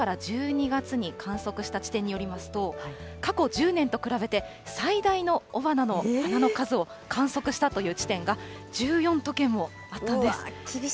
その環境省が去年１１月から１２月に観測した地点によりますと、過去１０年と比べて、最大の雄花の花の数を観測したという地点が、１４都県もあったんです。